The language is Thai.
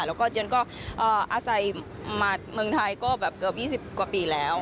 แล้วก็อาศัยมาทัยเกือบ๒๐กว่าปีแล้ว